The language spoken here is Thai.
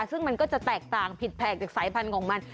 ซึ่งมันก็จะแตกต่างผิดแผกจากสายพันธุ์ของมัน